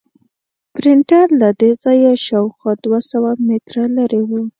پرنټر له دې ځایه شاوخوا دوه سوه متره لرې و.